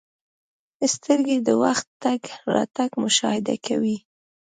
• سترګې د وخت تګ راتګ مشاهده کوي.